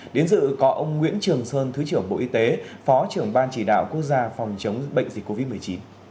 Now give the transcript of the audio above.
đến dự có ông nguyễn trường sơn thứ trưởng bộ y tế phó trưởng ban chỉ đạo quốc gia phòng chống bệnh dịch covid một mươi chín